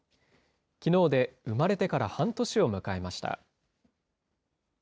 きのうで生まれてから半年を迎えました。